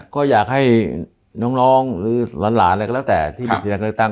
ก็อยากให้น้องหรือหลานอะไรก็แล้วแต่ที่พยายามเลือกตั้ง